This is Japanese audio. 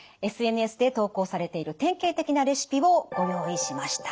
ＳＮＳで投稿されている典型的なレシピをご用意しました。